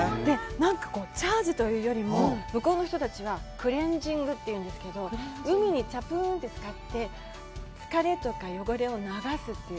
なんかチャージというよりも、向こうの人たちはクレンジングと言うんですけど、海にちゃぷうんって使って、疲れとか汚れを流すという。